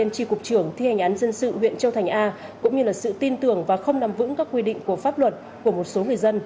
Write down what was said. cũng như là sự tin tưởng và không nằm vững các quy định của pháp luật của một số người dân